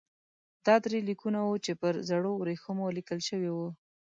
دا درې لیکونه وو چې پر ژړو ورېښمو لیکل شوي وو.